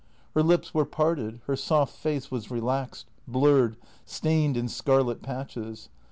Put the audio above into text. Her lips were parted, her soft face was relaxed, blurred, stained in scarlet patches.